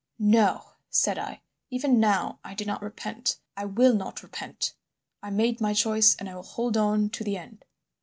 "'No,' said I. 'Even now, I do not repent. I will not repent; I made my choice, and I will hold on to the end.